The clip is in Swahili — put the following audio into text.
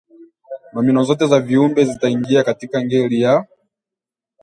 nomino zote za viumbe zitaingia katika ngeli ya